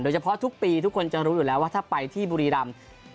เฉพาะทุกปีทุกคนจะรู้อยู่แล้วว่าถ้าไปที่บุรีรำ